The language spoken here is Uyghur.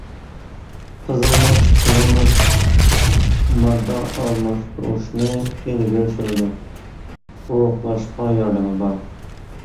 قىزىلمۇچ قىزىلمۇچ ماددا ئالماشتۇرۇشنى ئىلگىرى سۈرىدۇ، ئورۇقلاشقا ياردىمى بار.